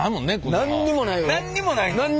何にもない。